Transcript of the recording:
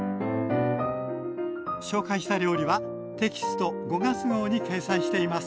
紹介した料理はテキスト５月号に掲載しています。